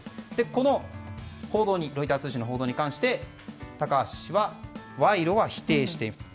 このロイター通信の報道に関し高橋氏は賄賂は否定していると。